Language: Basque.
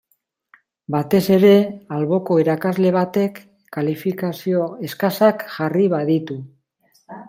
Batez ere alboko irakasle batek kalifikazio eskasak jarri baditu.